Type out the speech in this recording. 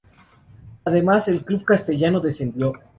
Además, el club castellano descendió.